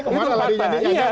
ini kemarah lagi jadinya